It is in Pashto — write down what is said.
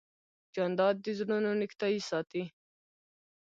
جانداد د زړونو نېکتایي ساتي.